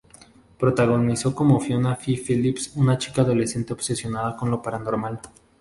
Protagonizó como Fiona "Fi" Phillips, una chica adolescente obsesionada con lo paranormal.